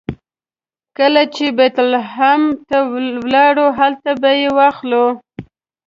کله چې بیت لحم ته لاړو هلته به یې واخلو.